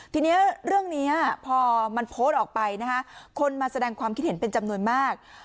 ทีนี้เรื่องนี้พอมันโพสต์ออกไปนะคะคนมาแสดงความคิดเห็นเป็นจำนวนมาก